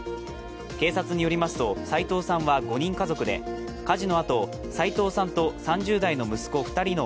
警察によりますと、齋藤さんは５人家族で、家事のあと、齋藤さんと３０代の息子２人と